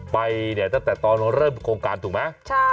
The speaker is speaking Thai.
ไปเนี่ยตั้งแต่ตอนเริ่มโครงการถูกไหม